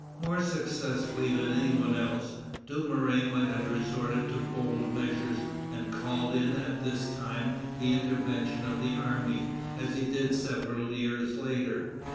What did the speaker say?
More successfully than any one else, Dumouriez might have resorted to bold measures and called in at this time the intervention of the army, as he did several years later.